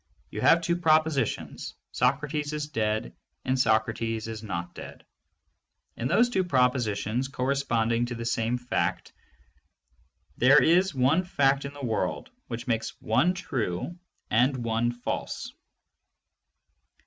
You have two propositions: "Socrates is dead" and "Socrates is not dead." And those two propositions corresponding to the same fact, there is one fact in the world which makes one true and one false.